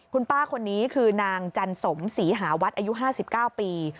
คุณป้าคนนี้คือนางจันสมศรีหาวัดอายุ๕๙ปี